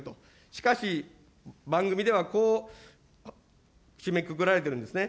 しかし、番組ではこう締めくくられているんですね。